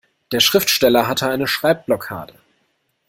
Der Schriftsteller hatte eine Schreibblockade.